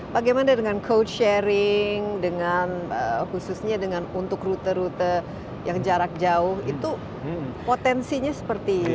bagaimana dengan code sharing dengan khususnya untuk rute rute yang jarak jauh itu potensinya seperti